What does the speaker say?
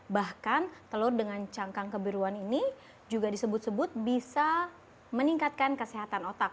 bahkan telur dengan cangkang kebiruan ini juga disebut sebut bisa meningkatkan kesehatan otak